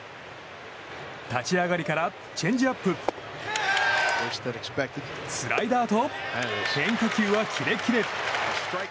立ち上がりからチェンジアップスライダーと変化球はキレキレ。